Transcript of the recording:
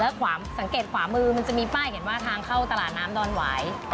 แล้วสังเกตขวามือมันจะมีป้ายเห็นว่าทางเข้าตลาดน้ำดอนหวาย